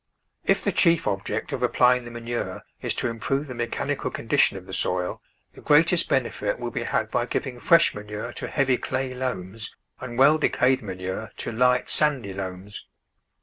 If the chief object of ap plying the manure is to improve the mechanical condition of the soil, the greatest benefit will be had by giving fresh manure to heavy clay loams and well decayed manure to light, sandy loams.